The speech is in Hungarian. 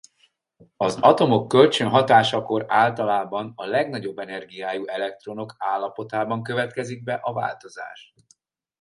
Az atomok kölcsönhatásakor általában a legnagyobb energiájú elektronok állapotában következik be a változás.